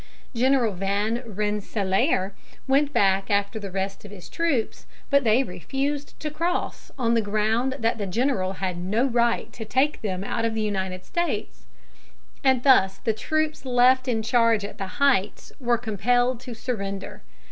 General Van Rensselaer went back after the rest of his troops, but they refused to cross, on the ground that the general had no right to take them out of the United States, and thus the troops left in charge at the Heights were compelled to surrender.